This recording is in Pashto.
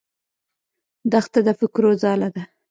دښته د فکرو ځاله ده.